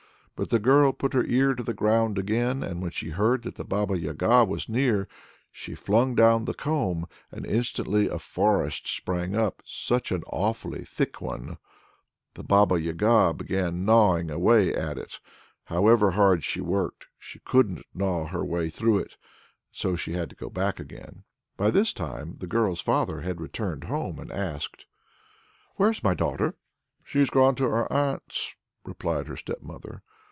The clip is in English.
But the girl put her ear to the ground again, and when she heard that the Baba Yaga was near, she flung down the comb, and instantly a forest sprang up, such an awfully thick one! The Baba Yaga began gnawing away at it, but however hard she worked, she couldn't gnaw her way through it, so she had to go back again. But by this time the girl's father had returned home, and he asked: "Where's my daughter?" "She's gone to her aunt's," replied her stepmother.